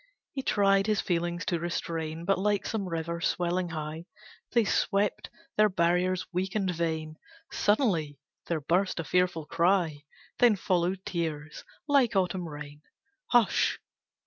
He tried his feelings to restrain, But like some river swelling high They swept their barriers weak and vain, Sudden there burst a fearful cry, Then followed tears, like autumn rain. Hush!